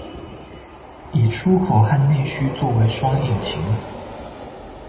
以出口和內需作為雙引擎